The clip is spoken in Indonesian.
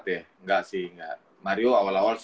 enggak sih enggak mario awal awal sih